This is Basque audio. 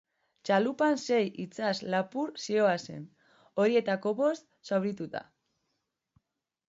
Txalupan sei itsas-lapur zihoazen, horietariko bost zaurituta.